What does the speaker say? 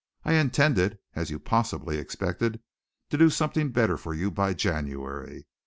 I intended, as you possibly expected, to do somewhat better for you by January.